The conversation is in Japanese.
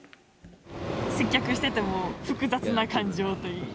接客してても、複雑な感情というか。